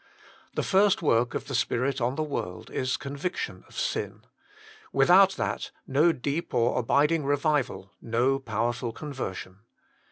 The first work of the Spirit on the world is conviction of sin. Without that, no deep or abiding revival, no powerful conversion.